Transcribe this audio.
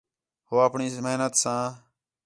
ہو آپݨی محنت ساں